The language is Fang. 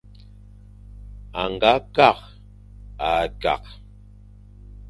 A nga kakh-e-kakh.